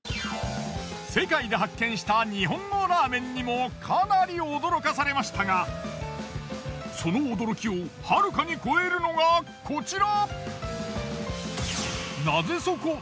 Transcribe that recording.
世界で発見した日本のラーメンにもかなり驚かされましたがその驚きをはるかに超えるのがこちら。